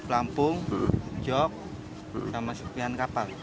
lampung jok sama serpihan kapal